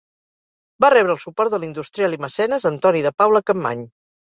Va rebre el suport de l'industrial i mecenes Antoni de Paula Capmany.